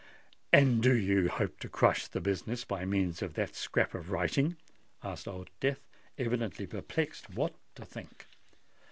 "And do you hope to crush the business by means of that scrap of writing?" asked Old Death, evidently perplexed what to think.